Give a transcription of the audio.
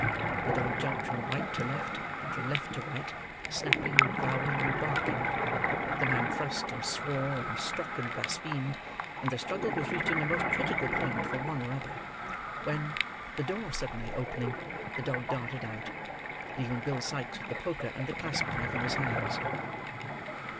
The dog jumped from right to left, and from left to right; snapping, growling, and barking; the man thrust and swore, and struck and blasphemed; and the struggle was reaching a most critical point for one or other; when, the door suddenly opening, the dog darted out: leaving Bill Sikes with the poker and the clasp knife in his hands.